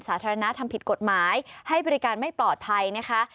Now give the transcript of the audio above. สาธารณะทำผิดกฎหมายให้บริการไม่ปลอดภัยนะคะ